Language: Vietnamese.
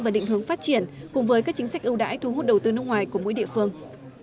và định hướng phát triển cùng với các chính sách ưu đãi thu hút đầu tư nước ngoài của mỗi địa phương